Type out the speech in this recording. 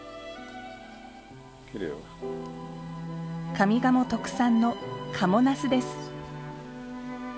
上賀茂特産の「賀茂なす」です。